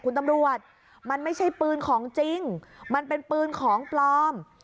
คุณตำรวจมันไม่ใช่ปืนของจริงมันเป็นปืนของปลอม